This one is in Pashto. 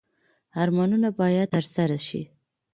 ارمانونه باید ترسره شي